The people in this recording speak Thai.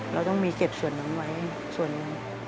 เราต้องมีเก็บส่วนนั้นไว้ส่วนหนึ่ง